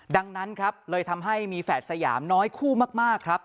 ดังนั้นครับเลยทำให้มีแฝดสยามน้อยคู่มากครับ